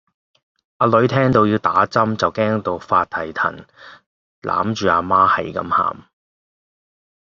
阿女聽到要打針就驚到發蹄騰攬住阿媽喺咁喊